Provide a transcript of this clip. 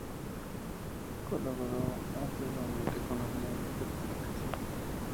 Colaboró asiduamente con los medios de comunicación.